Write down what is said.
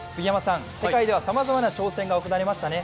世界ではさまざまな挑戦が行われましたね。